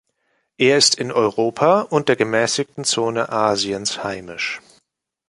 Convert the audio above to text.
Er ist in Europa und der gemäßigten Zone Asiens heimisch.